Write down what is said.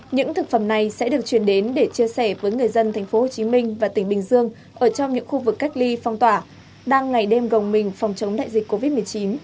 những thực phẩm này sẽ được truyền đến để chia sẻ với người dân tp hcm và tỉnh bình dương ở trong những khu vực cách ly phong tỏa đang ngày đêm gồng mình phòng chống đại dịch covid một mươi chín